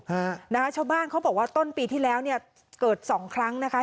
ฮะนะคะชาวบ้านเขาบอกว่าต้นปีที่แล้วเนี่ยเกิดสองครั้งนะคะ